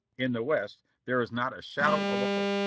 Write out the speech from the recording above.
In the West there is not the shadow of a hope.